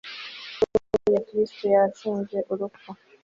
alleluya (kristu yatsinze urupfu